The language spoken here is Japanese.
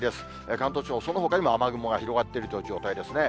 関東地方、そのほかにも雨雲が広がっているという状態ですね。